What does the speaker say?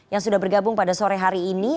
yang sudah bergabung pada sore hari ini